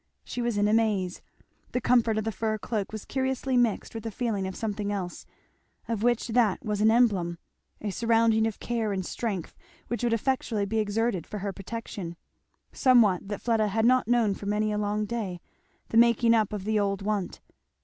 She was in a maze. The comfort of the fur cloak was curiously mixed with the feeling of something else, of which that was an emblem, a surrounding of care and strength which would effectually be exerted for her protection, somewhat that Fleda had not known for many a long day, the making up of the old want.